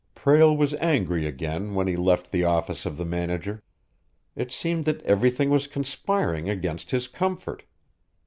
Prale was angry again when he left the office of the manager. It seemed that everything was conspiring against his comfort.